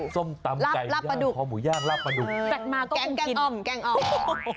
ส้มตำไก่ย่างคอหมูย่างลาบประดุกแก๊งอ่อมแก๊งอ่อมโอ้โฮโฮโฮ